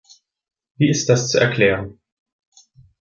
Wie ist das zu erklären?